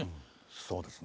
そうですね。